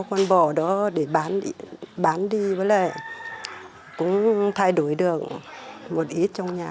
con bò đó để bán đi với lại cũng thay đổi được một ít trong nhà